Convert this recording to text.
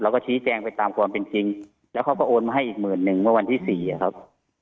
ก็ชี้แจงไปตามความเป็นจริงแล้วเขาก็โอนมาให้อีกหมื่นหนึ่งเมื่อวันที่สี่อะครับ